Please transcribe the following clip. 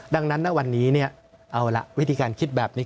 ดังนั้นณวันนี้เอาละวิธีการคิดแบบนี้